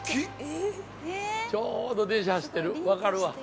◆ちょうど電車走ってる、分かるわ。